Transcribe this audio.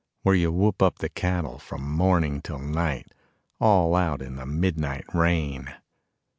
Where you whoop up the cattle from morning till night All out in the midnight rain.